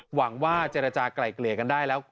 หวังว่าเจรจากลายเกลี่ยกันได้แล้ว